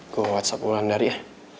gue whatsapp bulan dari ya